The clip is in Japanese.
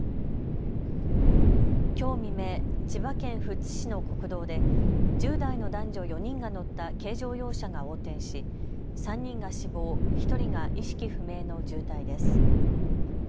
きょう未明、千葉県富津市の国道で１０代の男女４人が乗った軽乗用車が横転し３人が死亡、１人が意識不明の重体です。